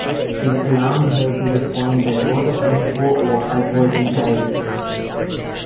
This alarmed her to the point that both of them swore off alcohol entirely.